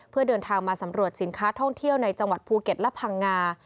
เพื่อเดินทางมาสำรวจสินค้าท่องเที่ยวในจังหวัดภูเก็ตและพังงา